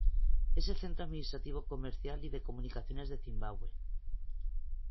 Es el centro administrativo, comercial, y de comunicaciones de Zimbabue.